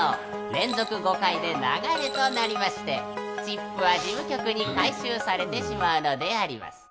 ［連続５回で流れとなりましてチップは事務局に回収されてしまうのであります］